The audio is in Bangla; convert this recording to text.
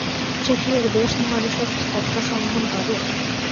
সে কি এর দেশ-মহাদেশের স্পষ্ট সন্ধান পাবে?